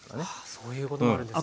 そういうこともあるんですね。